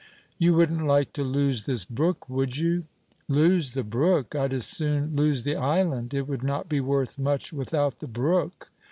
"You wouldn't like to lose this brook would you?" "Lose the brook! I'd as soon lose the island; it would not be worth much without the brook."